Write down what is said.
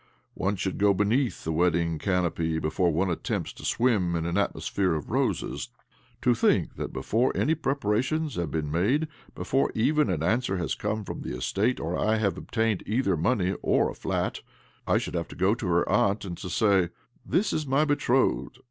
One should go bieneath the wedding canopy before one attempts to swim in an atmosphere of roses. To think that before any preparations have been made ■T before even an answer has come from the estate, or I have obtained either money or 2o8 OBLOMOV a flat — I should have to go to her aunt, and to say :' This is my betrothed